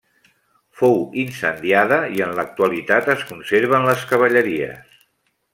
Fou incendiada i en l'actualitat es conserven les cavalleries.